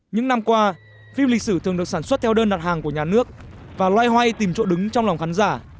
những năm qua phim lịch sử thường được sản xuất theo đơn đặt hàng của nhà nước và loay hoay tìm chỗ đứng trong lòng khán giả